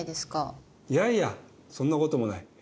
いやいやそんなこともない。